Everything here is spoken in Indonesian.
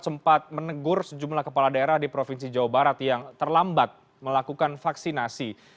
sempat menegur sejumlah kepala daerah di provinsi jawa barat yang terlambat melakukan vaksinasi